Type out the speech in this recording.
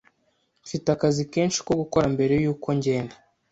Mfite akazi kenshi ko gukora mbere yuko ngenda.